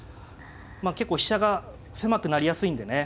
まあ結構飛車が狭くなりやすいんでね。